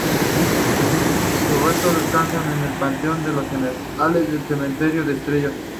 Sus restos descansan en el Panteón de los Generales del Cementerio de Estella.